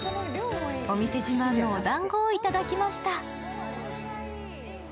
お店自慢のおだんごを頂きました。